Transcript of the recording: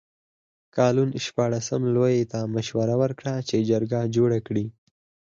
کالون شپاړسم لویي ته مشوره ورکړه چې جرګه جوړه کړي.